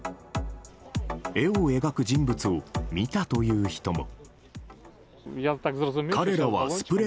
絵を描く人物を見たという人も。